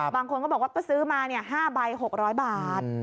บางคนก็บอกว่าก็ซื้อมา๕ใบ๖๐๐บาท